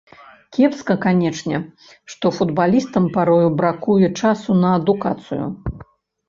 Кепска, канечне, што футбалістам парою бракуе часу на адукацыю.